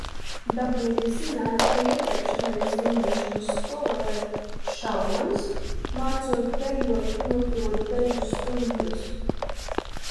Dabūja zināt, ka iepriekšējais zīmēšanas skolotājs, Šaumanis, mācot dancot, noturot deju stundas.